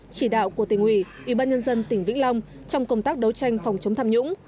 chỉ đạo của tỉnh ủy ủy ban nhân dân tỉnh vĩnh long trong công tác đấu tranh phòng chống tham nhũng